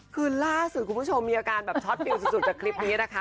คือล่าสุดคุณผู้ชมมีอาการแบบช็อตฟิลสุดจากคลิปนี้นะคะ